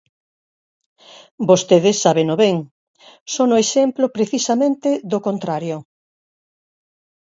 Vostedes sábeno ben, son o exemplo precisamente do contrario.